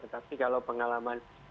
tapi kalau pengalaman